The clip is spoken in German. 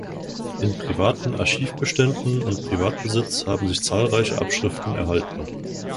In privaten Archivbeständen und Privatbesitz haben sich zahlreiche Abschriften erhalten.